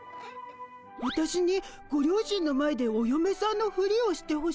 わたしにご両親の前でおよめさんのフリをしてほしいってこと？